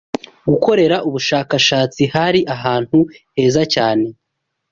gukorera ubushakashatsi hari ahantu heza cyane